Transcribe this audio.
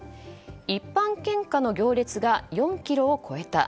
一般献花の行列が４ｋｍを超えた。